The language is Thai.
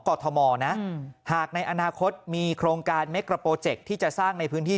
กรธมอลนะหากในอนาคตมีโครงการที่จะสร้างในพื้นที่